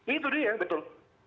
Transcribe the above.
itu dia betul